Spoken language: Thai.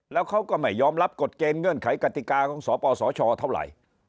แล้วเขาก็ไม่ยอมรับกฎเกณฑ์เงื่อนไขกติกาของสปสชเท่าไหร่